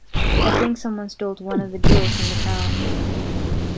I think someone stole one of the jewels from the crown.